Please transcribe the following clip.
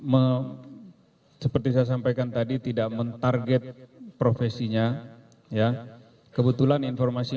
mengerti seperti saya sampaikan tadi tidak mentarget profesinya ya kebetulan informasi